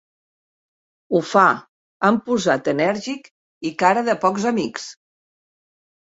Ho fa amb posat enèrgic i cara de pocs amics.